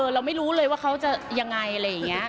เราไม่รู้เลยว่าเขาจะยังไงอะไรอย่างนี้